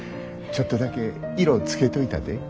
ちょっとだけ色つけといたで。